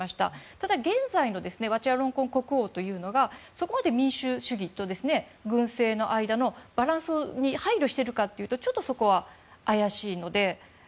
ただ、現在のワチラロンコン国王がそこまで民主主義と軍政の間のバランスに配慮しているかというとそこは怪しいので。